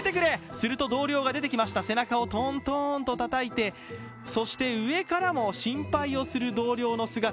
すると同僚が出てきました、背中をトントンとたたいて、そして上からも心配をする同僚の姿。